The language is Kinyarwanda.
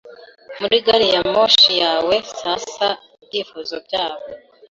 muri gari ya moshi yawe Sasa ibyifuzo byabo